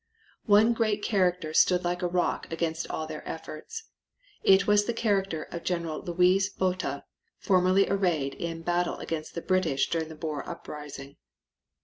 One great character stood like a rock against all their efforts. It was the character of General Louis Botha, formerly arrayed in battle against the British during the Boer uprising.